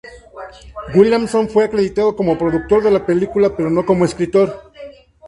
Williamson fue acreditado como un productor de la película, pero no como escritor.